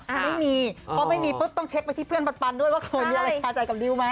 ไม่มีเพราะไม่มีปุ๊บต้องเช็คไปที่เพื่อนปันด้วยว่าเคยมีอะไรคาใจกับดิวไหม